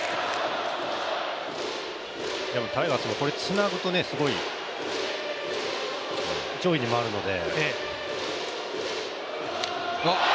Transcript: タイガースもこれをつなぐとすごい上位に回るので。